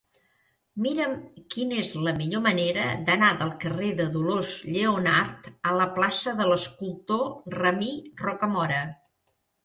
Mira'm quina és la millor manera d'anar del carrer de Dolors Lleonart a la plaça de l'Escultor Ramir Rocamora.